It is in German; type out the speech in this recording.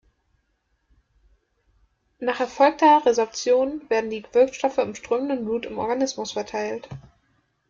Nach erfolgter Resorption werden die Wirkstoffe im strömenden Blut im Organismus verteilt.